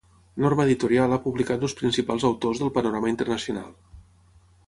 Norma Editorial ha publicat els principals autors del panorama internacional.